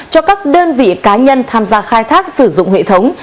cho các đơn vị cá nhân tham gia khai thác sử dụng hệ thống